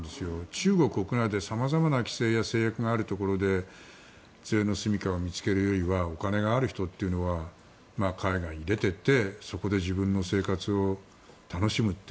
中国国内で様々な制約や規制があるところでついの住み家を見つけるよりかはお金がある人というのは海外に出ていってそこで自分の生活を楽しむと。